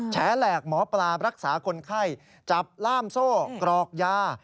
แฉแหลกหมอปลารักษาคนไข้จับล่ามโซ่กรอกยา